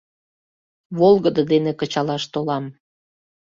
Волгыдо дене кычалаш толам.